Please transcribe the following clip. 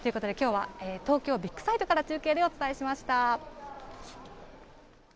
ということで、きょうは東京ビッグサイトから中継でお伝えしました。